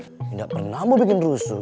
tidak pernah mau bikin rusuh